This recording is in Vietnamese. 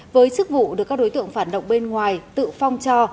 với chức vụ được các đối tượng phản động bên ngoài tự phong cho